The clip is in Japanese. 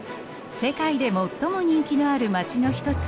世界で最も人気のある街の一つ